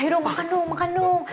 ayudah makan dong makan dong